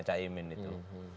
jadi enggak harga mati